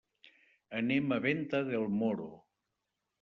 Anem a Venta del Moro.